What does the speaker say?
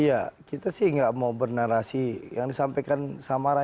iya kita sih gak mau bernarasi yang disampaikan samarato